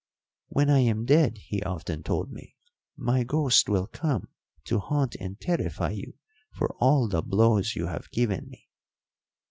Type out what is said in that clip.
'When I am dead,' he often told me, 'my ghost will come to haunt and terrify you for all the blows you have given me.'